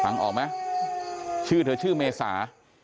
ฟังออกไหมชื่อเธอชื่อเมษา